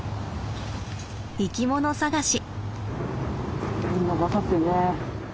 生き物探し。